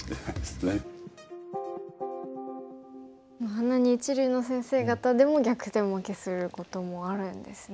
あんなに一流の先生方でも逆転負けすることもあるんですね。